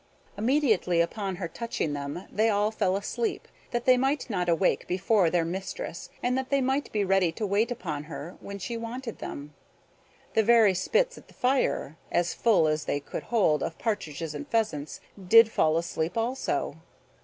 Immediately upon her touching them they all fell asleep, that they might not awake before their mistress and that they might be ready to wait upon her when she wanted them. The very spits at the fire, as full as they could hold of partridges and pheasants, did fall asleep also.